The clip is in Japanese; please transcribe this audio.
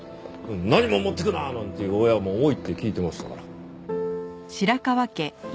何も持っていくな！」なんて言う親も多いって聞いてましたから。